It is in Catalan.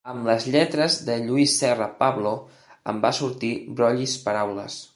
Amb les lletres de Lluís Serra Pablo em va sortir Brollis Paraules.